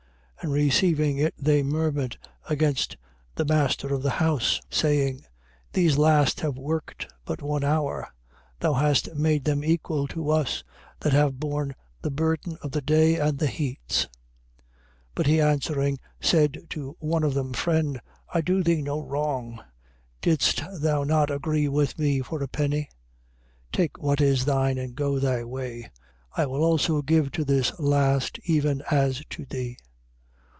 20:11. And receiving it they murmured against the master of the house, 20:12. Saying: These last have worked but one hour. and thou hast made them equal to us, that have borne the burden of the day and the heats. 20:13. But he answering said to one of them: friend, I do thee no wrong: didst thou not agree with me for a penny? 20:14. Take what is thine, and go thy way: I will also give to this last even as to thee.